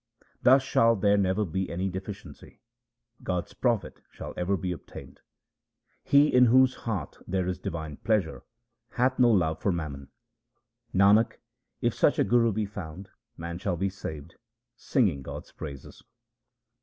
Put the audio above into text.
Thus shall there never be any deficiency ; God's profit shall ever be obtained. 1 The kulang. 296 THE SIKH RELIGION He in whose heart there is divine pleasure hath no love for mammon. Nanak, if such a guru be found, man shall be saved, sing ing God's praises.